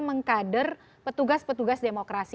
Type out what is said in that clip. mengkader petugas petugas demokrasi